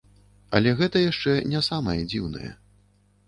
Але гэта яшчэ не самае дзіўнае.